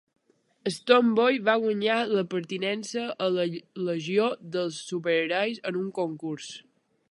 Stone Boy va guanyar la pertinença a la Legió dels Superherois en un concurs.